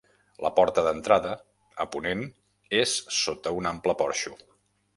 La porta d'entrada, a ponent, és sota un ample porxo.